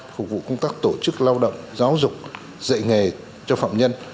phục vụ công tác tổ chức lao động giáo dục dạy nghề cho phạm nhân